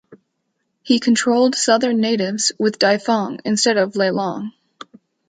He controlled southern natives with Daifang instead of Lelang.